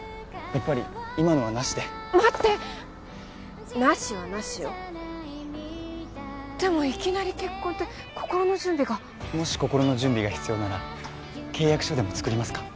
やっぱり今のはなしで待ってなしはなしよでもいきなり結婚って心の準備がもし心の準備が必要なら契約書でも作りますか？